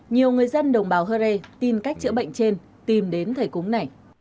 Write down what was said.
nhiều người dân đồng bào hơ rê tìm cách chữa bệnh trên tìm đến thầy cúng này